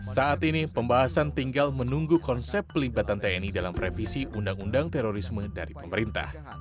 saat ini pembahasan tinggal menunggu konsep pelibatan tni dalam revisi undang undang terorisme dari pemerintah